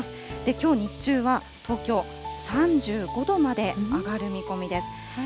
きょう日中は東京３５度まで上がる見込みです。